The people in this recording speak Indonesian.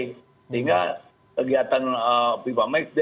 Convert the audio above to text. sehingga kegiatan pipami